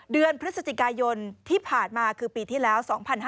เดือนพฤศจิกายนที่ผ่านมาคือปีที่แล้ว๒๕๕๙